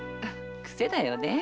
癖だよね。